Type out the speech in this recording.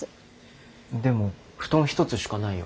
でも布団一つしかないよ。